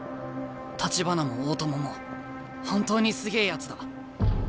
橘も大友も本当にすげえやつだ。